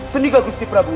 seniga gusti prabu